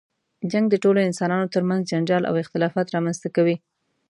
جنګ د ټولو انسانانو تر منځ جنجال او اختلافات رامنځته کوي.